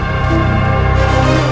pak mas nyi mas